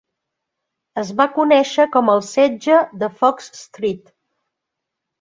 Es va conèixer com el Setge de Fox Street.